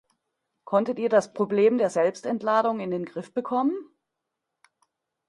Konntet ihr das Problem der Selbstentladung in den Griff bekommen?